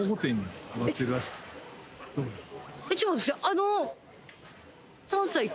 あの。